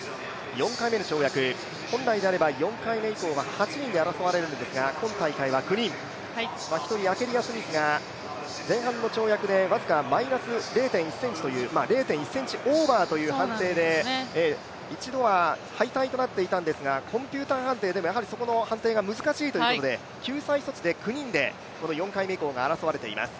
４回目の跳躍、本来であれば４回目以降は８人で争われるんですが、今大会は９人、１人、アケリア・スミスが前半の跳躍で僅かマイナス０．１ｃｍという、０．１ｃｍオーバーという判定で一度は敗退となっていたんですがコンピューター判定でもやはりそこの判定が難しいということで、救済措置で９人で４回目以降が争われています。